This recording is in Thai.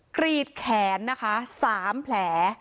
กรีดแขนนะคะ๓แผล